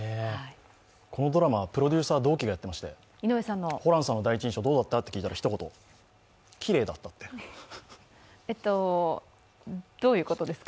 このドラマ、プロデューサーは同期がやっていましてホランさんの第一印象聞いたらひと言どういうことですか？